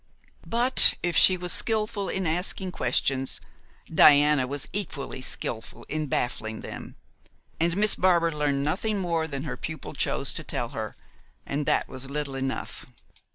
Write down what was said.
But if she was skilful in asking questions, Diana was equally skilful in baffling them, and Miss Barbar learned nothing more than her pupil chose to tell her, and that was little enough.